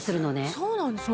そうなんですか？